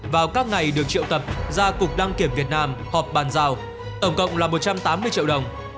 vào các ngày được triệu tập gia cục đăng kiểm việt nam họp bàn giao tổng cộng là một trăm tám mươi triệu đồng